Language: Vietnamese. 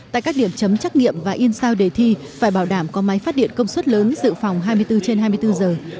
tại các điểm chấm trắc nghiệm và in sao đề thi phải bảo đảm có máy phát điện công suất lớn dự phòng hai mươi bốn trên hai mươi bốn giờ